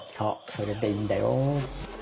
それでいいんだよ。